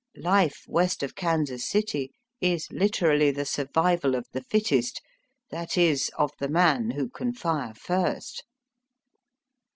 Life west of Kansas City is literally the survival of the fittest — that is, of the man who can fire first.